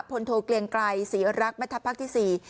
พลโทเกลียงไกลศรีเอิญรักแม่ทัพภาคที่สี่